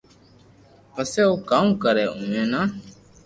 پسي او ڪاوُ ڪري اوي نہ